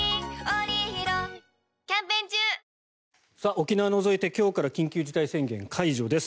沖縄を除いて今日から緊急事態宣言解除です。